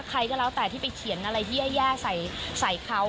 ใครก็แล้วแต่ที่ไปเขียนอะไรแย่ใส่เขา